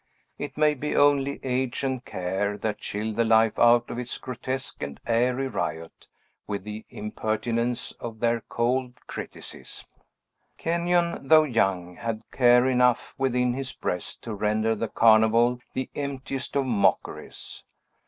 It may be only age and care that chill the life out of its grotesque and airy riot, with the impertinence of their cold criticism. Kenyon, though young, had care enough within his breast to render the Carnival the emptiest of mockeries.